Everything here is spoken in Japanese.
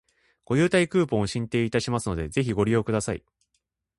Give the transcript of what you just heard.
ご優待クーポンを進呈いたしますので、ぜひご利用ください